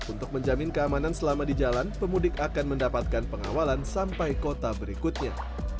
untuk menjamin keamanan selama di jalan pemudik akan mendapatkan pengawalan sampai kota berikutnya